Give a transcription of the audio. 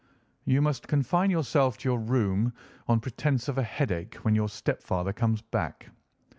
"You must confine yourself to your room, on pretence of a headache, when your stepfather comes back.